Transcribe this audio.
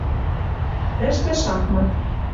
Тӹштӹ шахмат